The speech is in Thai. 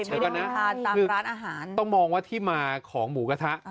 ใช่ก็นะตามร้านอาหารต้องมองว่าที่มาของหมูกระทะ